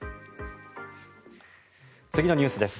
次のニュースです。